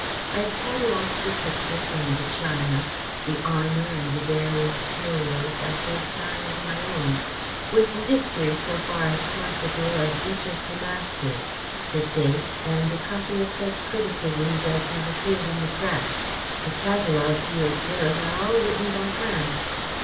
I have catalogued the pictures and the china, the armour and the various curios, after a style of my own, with the history, so far as possible, of each of the masters, the date and a copy of such criticisms as have appeared in the press. The catalogues, you observe, are all written by hand."